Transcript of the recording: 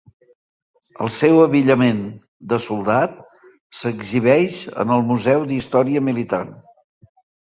El seu abillament de soldat s'exhibeix en el Museu d'Història Militar.